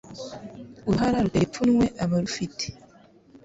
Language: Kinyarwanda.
Uruhara rutera ipfunwe abarufite